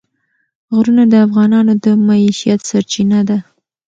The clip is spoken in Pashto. غرونه د افغانانو د معیشت سرچینه ده.